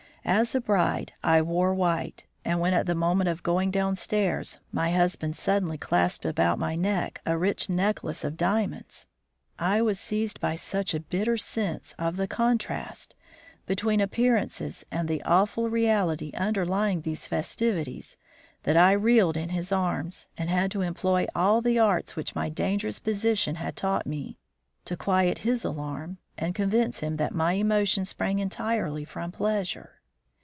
As a bride, I wore white, and when, at the moment of going downstairs, my husband suddenly clasped about my neck a rich necklace of diamonds, I was seized by such a bitter sense of the contrast between appearances and the awful reality underlying these festivities, that I reeled in his arms, and had to employ all the arts which my dangerous position had taught me, to quiet his alarm, and convince him that my emotion sprang entirely from pleasure.